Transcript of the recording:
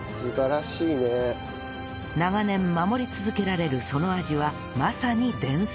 長年守り続けられるその味はまさに伝説